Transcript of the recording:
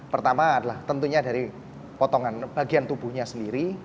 pertama adalah tentunya dari potongan bagian tubuhnya sendiri